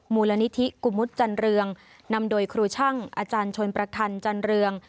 มูลนิธิกุมุธจันเรืองนำโดยครูช่างอาจารย์ชนประธานจันเรือง